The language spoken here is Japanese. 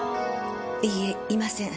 いいえいません。